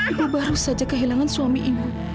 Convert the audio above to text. ibu baru saja kehilangan suami ibu